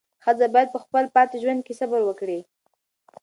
ښځه باید په خپل پاتې ژوند کې صبر وکړي.